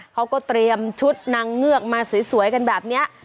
เขาก็เตรียมชุดนางเงือกมาสวยกันแบบนี้